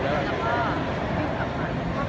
มีโครงการทุกทีใช่ไหม